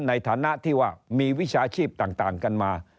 ในฐานะที่ว่ามีวิชาชีพต่างกันมา